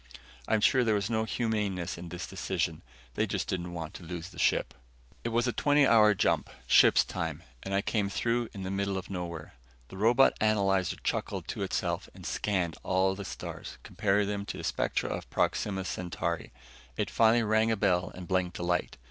I'm sure there was no humaneness in this decision. They just didn't want to lose the ship. It was a twenty hour jump, ship's time, and I came through in the middle of nowhere. The robot analyzer chuckled to itself and scanned all the stars, comparing them to the spectra of Proxima Centauri. It finally rang a bell and blinked a light.